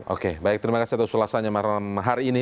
oke baik terima kasih atas ulasannya malam hari ini